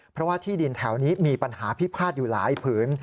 เพราะว่าที่ดินแถวนี้มีปัญหาพิพาทอยู่หลายผืน